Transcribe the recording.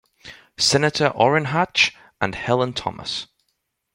Senator Orrin Hatch and Helen Thomas.